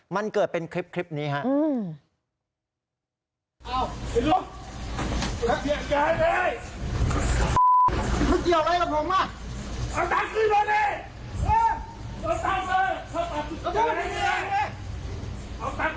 มันเกิดเป็นคลิปนี้ครับ